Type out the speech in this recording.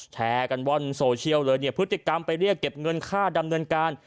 แชร์กันว่อนโซเชียลเลยเนี่ยพฤติกรรมไปเรียกเก็บเงินค่าดำเนินการ